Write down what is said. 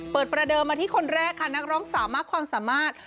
ประเดิมมาที่คนแรกค่ะนักร้องสาวมากความสามารถ